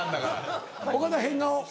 岡田変顔。